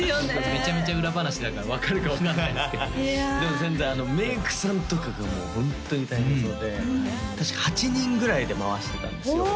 めちゃめちゃ裏話だから分かるか分かんないんですけどでも全然メイクさんとかがホントに大変そうで確か８人ぐらいで回してたんですよ